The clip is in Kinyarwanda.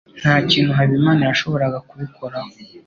Nta kintu Habimana yashoboraga kubikoraho.